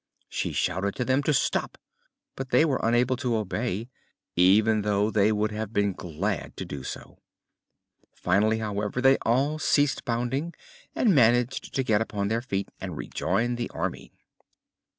She shouted to them to stop, but they were unable to obey, even though they would have been glad to do so. Finally, however, they all ceased bounding and managed to get upon their feet and rejoin the Army.